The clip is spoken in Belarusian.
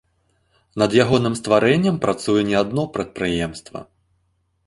Над ягоным стварэннем працуе не адно прадпрыемства.